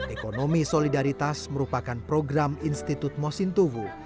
ekonomi solidaritas merupakan program institut mosintowo